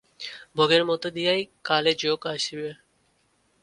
ভোগের মধ্য দিয়াই কালে যোগ আসিবে।